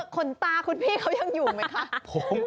ขนตาคุณพี่เขายังอยู่ไหมคะ